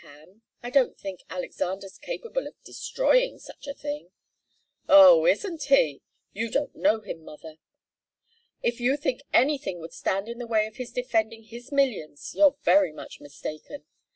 I don't think Alexander's capable of destroying such a thing." "Oh isn't he! You don't know him, mother. If you think anything would stand in the way of his defending his millions, you're very much mistaken.